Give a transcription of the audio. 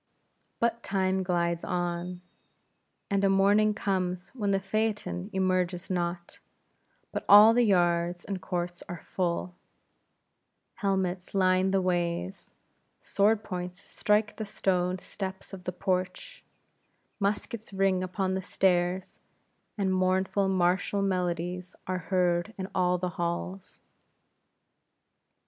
But time glides on, and a morning comes, when the phaeton emerges not; but all the yards and courts are full; helmets line the ways; sword points strike the stone steps of the porch; muskets ring upon the stairs; and mournful martial melodies are heard in all the halls.